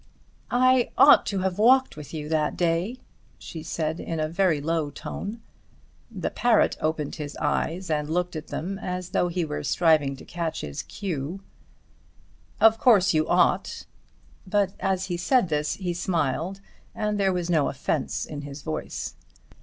"I ought to have walked with you that day," she said in a very low tone. The parrot opened his eyes and looked at them as though he were striving to catch his cue. "Of course you ought." But as he said this he smiled and there was no offence in his voice.